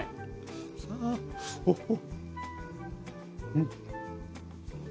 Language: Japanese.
うん。